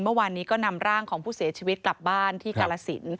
เมื่อวานนี้ก็นำร่างของผู้เสียชีวิตกลับบ้านที่กาลสิน